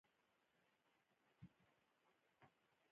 خپله خاوره پوري تړلی وو.